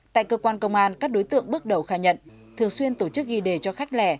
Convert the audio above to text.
tại cơ quan công an các đối tượng bước đầu khai nhận thường xuyên tổ chức ghi đề cho khách lẻ